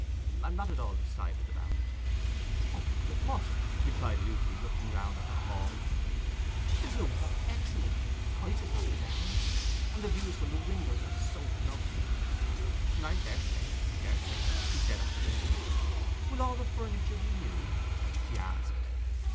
I am not at all decided about it.' 'O, but it must!' replied Lucy, looking round at the hall. 'The rooms are excellent, twice as high as ours; and the views from the windows are so lovely.' 'I daresay, I daresay,' he said absently. 'Will all the furniture be new?' she asked.